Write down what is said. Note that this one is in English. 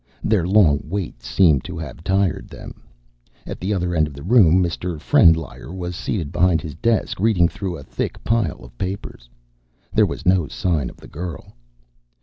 Their long wait seemed to have tired them. At the other end of the room, Mr. Frendlyer was seated behind his desk, reading through a thick pile of papers. There was no sign of the girl.